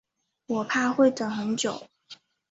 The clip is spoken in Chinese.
我怕会等很久